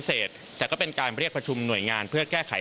ติดตามจากคุณเจนศักดิ์